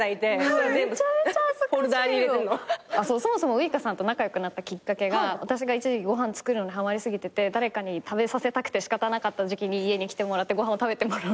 そもそもウイカさんと仲良くなったきっかけが私が一時期ご飯作るのにはまり過ぎてて誰かに食べさせたくて仕方なかった時期に家に来てもらってご飯を食べてもらうみたいな。